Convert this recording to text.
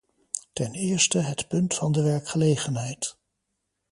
Ten eerste het punt van de werkgelegenheid.